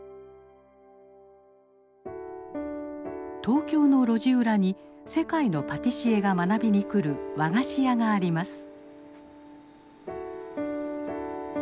東京の路地裏に世界のパティシエが学びに来る和菓子屋があります。